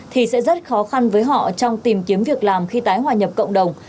thì sẽ rất khó khăn với họ trong tìm kiếm việc làm khi tái hòa nhập cộng đồng